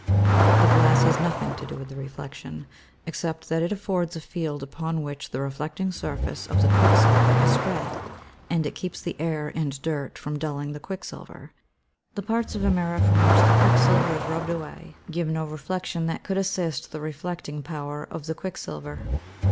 _ The glass has nothing to do with the reflection, except that it affords a field upon which the reflecting surface of the quicksilver is spread; and it keeps the air and dirt from dulling the quicksilver. The parts of a mirror from which the quicksilver is rubbed away give no reflection that could assist the reflecting power of the quicksilver.